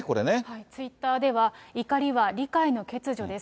ツイッターでは、怒りは理解の欠如です。